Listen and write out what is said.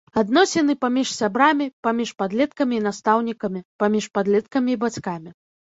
Адносіны паміж сябрамі, паміж падлеткамі і настаўнікамі, паміж падлеткамі і бацькамі.